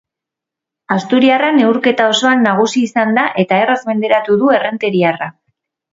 Asturiarra neurketa osoan nagusi izan da eta erraz menderatu du errenteriarra.